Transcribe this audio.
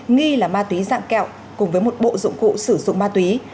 nghi là ma túy dạng kẹo cùng với một bộ dụng cụ sử dụng ma túy